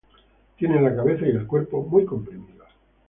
Tienen la cabeza y el cuerpo muy comprimidos.